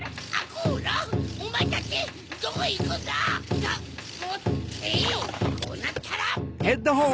こうなったら！